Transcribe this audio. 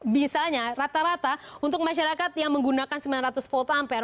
misalnya rata rata untuk masyarakat yang menggunakan sembilan ratus volt ampere